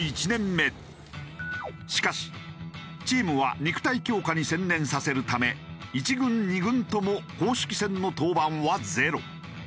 しかしチームは肉体強化に専念させるため１軍２軍とも公式戦の登板はゼロ。